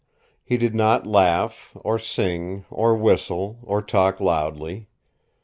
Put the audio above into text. He did not laugh, or sing, or whistle, or talk loudly.